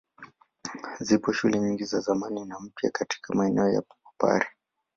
Zipo shule nyingi za zamani na mpya katika maeneo ya Wapare.